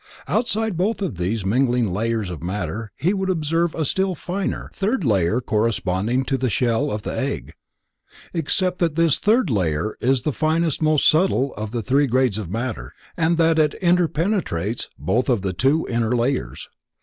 Outside both of these mingling layers of matter he would observe a still finer, third layer corresponding to the shell of the egg, except that this third layer is the finest most subtile of the three grades of matter, and that it inter penetrates both of the two inner layers.